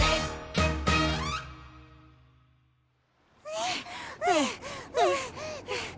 はあはあはあはあ。